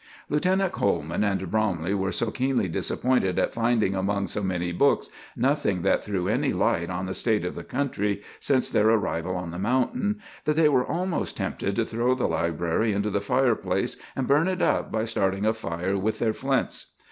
Lieutenant Coleman and Bromley were so keenly disappointed at finding among so many books nothing that threw any light on the state of the country since their arrival on the mountain, that they were almost tempted to throw the library into the fireplace and burn it up by starting a fire with their flints.